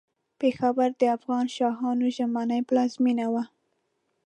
پېښور د افغان شاهانو ژمنۍ پلازمېنه وه.